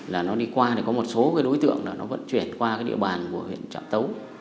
là nó đi qua thì có một số đối tượng nó vẫn chuyển qua địa bàn của huyện trạm tấu